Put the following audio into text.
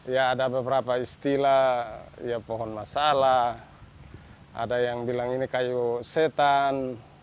ya ada beberapa istilah ya pohon masalah ada yang bilang ini kayu setan